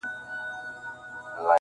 • د ساقي د میوناب او د پیالو دی,